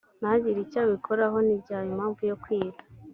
ntagire icyo abikoraho ntibyaba impamvu yo kwiga